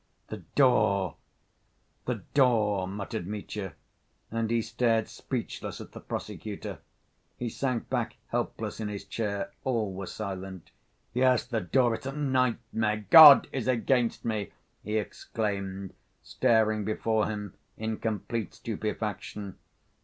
"The door, the door," muttered Mitya, and he stared speechless at the prosecutor. He sank back helpless in his chair. All were silent. "Yes, the door!... It's a nightmare! God is against me!" he exclaimed, staring before him in complete stupefaction.